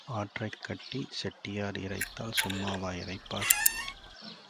ஆற்றைக் கட்டிச் செட்டியார் இறைத்தால் சும்மாவா இறைப்பார்?